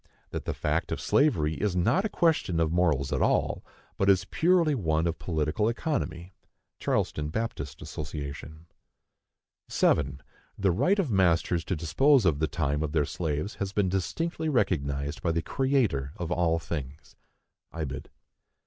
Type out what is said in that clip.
That the fact of slavery is not a question of morals at all, but is purely one of political economy. (Charleston Baptist Association.) 7. The right of masters to dispose of the time of their slaves has been distinctly recognized by the Creator of all things. (Ibid.)